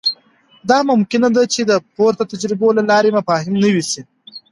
دا ممکنه ده چې د پورته تجربو له لارې مفاهیم نوي سي.